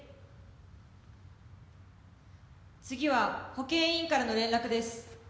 次は保健委員からの連絡です。